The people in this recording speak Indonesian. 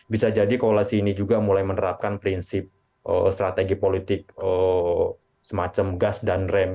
bisa jadi koalisi ini juga mulai menerapkan prinsip strategi politik semacam gas dan rem